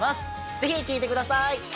ぜひ聴いてください！